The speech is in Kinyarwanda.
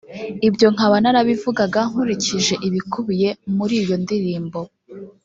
Ibyo nkaba narabivugaga nkurikije ibikubiye muri iyo ndirimbo